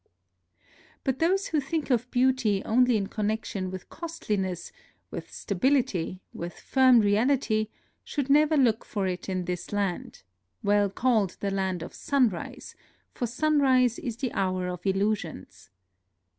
But those who think of beauty only in con nection with costliness, with stability, with " firm reality," should never look for it in this land, — well called the Land of Sunrise, for sunrise is the hour of illusions.